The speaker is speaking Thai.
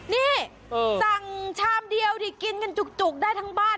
นี่สั่งชามเดียวดิกินกันจุกได้ทั้งบ้าน